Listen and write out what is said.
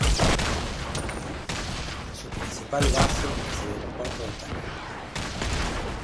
Su principal base es el Aeropuerto de Tallin.